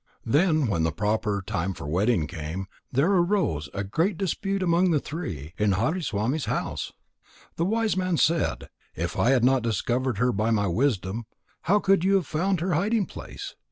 Then when the proper time for wedding came, there arose a great dispute among the three in Hariswami's house. The wise man said: "If I had not discovered her by my wisdom, how could you have found her hiding place?